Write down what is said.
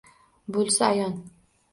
Bo’lsa ayon